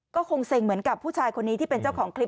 ก็คงเซ็งเหมือนกับผู้ชายคนนี้ที่เป็นเจ้าของคลิป